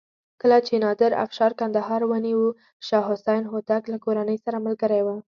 کله چې نادر افشار کندهار ونیو شاه حسین هوتک له کورنۍ سره ملګری و.